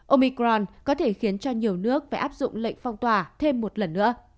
omicron có thể khiến cho nhiều nước phải áp dụng lệnh phong tỏa thêm một lần nữa